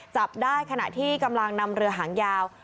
จับได้ขณะที่กำลังนำเรือหางยาว